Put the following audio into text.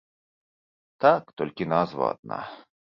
Так, толькі назва адна.